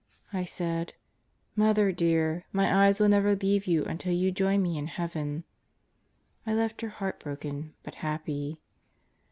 57 1 said: "Mother, dear, my eyes will never leave you until you join me in heaven." I left her heartbroken, but happy.